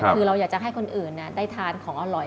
คือเราอยากจะให้คนอื่นได้ทานของอร่อย